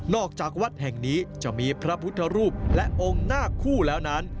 จากวัดแห่งนี้จะมีพระพุทธรูปและองค์หน้าคู่แล้วนั้น